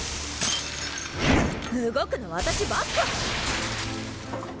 動くの私ばっか！